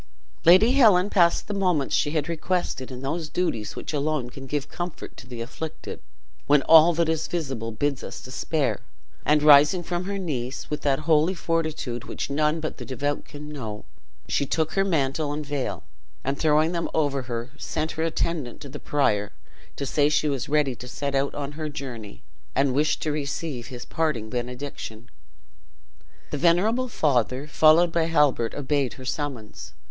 Lady Helen passed the moments she had requested in those duties which alone can give comfort to the afflicted, when all that is visible bids us despair; and rising from her knees, with that holy fortitude which none but the devout can know, she took her mantle and veil, and throwing them over her, sent her attendant to the prior, to say she was ready to set out on her journey, and wished to receive his parting benediction. The venerable father, followed by Halbert, obeyed her summons.